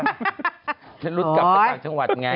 ฉันรุ๊ดกลับไปฝั่งจังหวัดไง